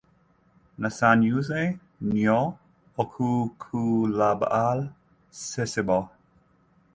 Nsanyuse nnyo okukulaba ssebo.